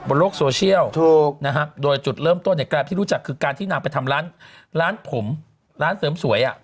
บนโลกโซเชียลโดยจุดเริ่มต้นแกรบที่รู้จักคือการที่นางไปทำร้านร้านผมร้านเสริมสวย